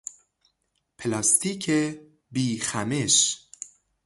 پلاستیک بیخمش